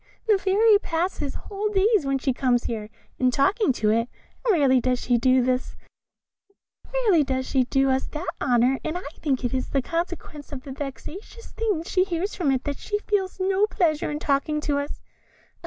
The Fairy passes whole days, when she comes here, in talking to it; rarely does she do us that honour, and I think it is in consequence of the vexatious things she hears from it that she feels no pleasure in talking to us.